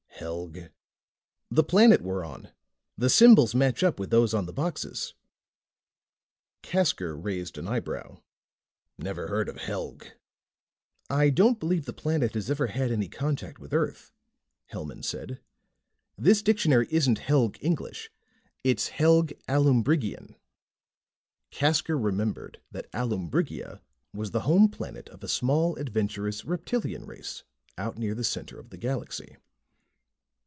"Helg?" "The planet we're on. The symbols match up with those on the boxes." Casker raised an eyebrow. "Never heard of Helg." "I don't believe the planet has ever had any contact with Earth," Hellman said. "This dictionary isn't Helg English. It's Helg Aloombrigian." Casker remembered that Aloombrigia was the home planet of a small, adventurous reptilian race, out near the center of the Galaxy.